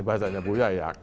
ini bahasanya buya ya